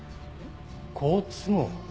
好都合？